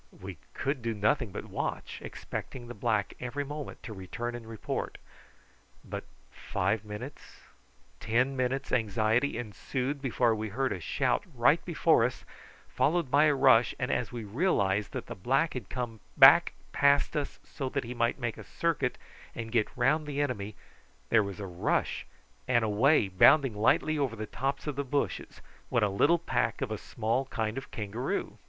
We could do nothing but watch, expecting the black every moment to return and report. But five minutes', ten minutes' anxiety ensued before we heard a shout right before us, followed by a rush, and as we realised that the black had come back past us so that he might make a circuit and get round the enemy, there was a rush, and away bounding lightly over the tops of the bushes went a little pack of a small kind of kangaroo.